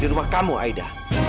di rumah kamu aida